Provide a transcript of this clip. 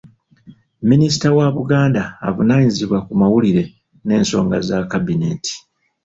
Minisita wa Buganda avunaanyizibwa ku mawulire n'ensonga za Kkabineeti,